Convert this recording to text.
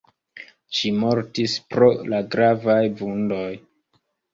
Ŝi mortis pro la gravaj vundoj.